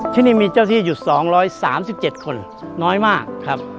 ที่นี่มีเจ้าที่อยู่๒๓๗คนน้อยมากครับ